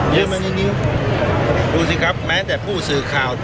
ดูสิครับแม้แต่ผู้สื่อข่าว